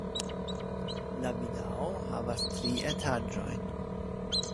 La vilao havas tri etaĝojn.